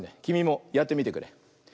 きみもやってみてくれ！